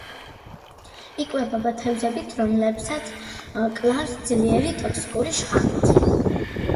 იკვებება თევზით, რომელსაც კლავს ძლიერ ტოქსიკური შხამით.